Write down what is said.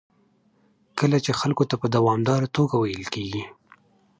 کله چې خلکو ته په دوامداره توګه ویل کېږي